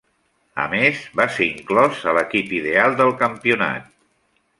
A més, va ser inclòs a l'equip ideal del campionat.